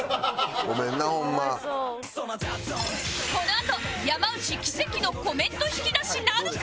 このあと山内奇跡のコメント引き出しなるか？